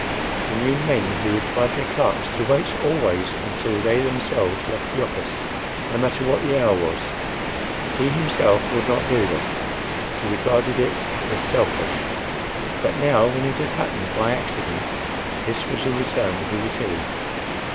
He knew men who required their clerks to wait always until they themselves left the office, no matter what the hour was. He himself would not do this; he regarded it as selfish. But now when it had happened by accident, this was the return he received!